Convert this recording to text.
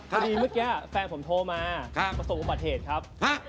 คุณฟังผมแป๊บนึงนะครับคุณฟังผมแป๊บนึงนะครับ